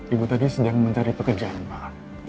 ibu tadi sedang mencari pekerjaan pak